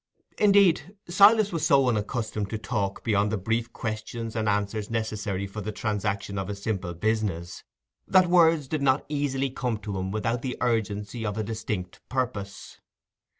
Indeed, Silas was so unaccustomed to talk beyond the brief questions and answers necessary for the transaction of his simple business, that words did not easily come to him without the urgency of a distinct purpose.